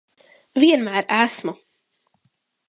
Vienmēr esmu.